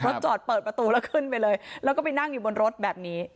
จอดเปิดประตูแล้วขึ้นไปเลยแล้วก็ไปนั่งอยู่บนรถแบบนี้